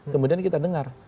kemudian kita dengar